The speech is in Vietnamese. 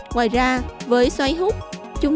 ngoài ra với xoáy hút